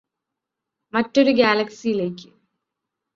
മറ്റൊരു ഗ്യാലക്സിയിലേയ്ക്ക്